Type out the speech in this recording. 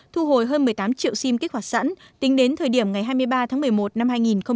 thu hồi hơn một mươi tám triệu sim kích hoạt sẵn tính đến thời điểm ngày hai mươi ba tháng một mươi một năm hai nghìn một mươi chín